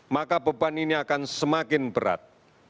maka beban ini akan semakin berat